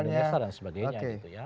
indonesia dan sebagainya gitu ya